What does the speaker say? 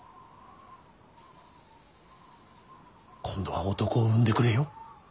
今度は男を産んでくれよ。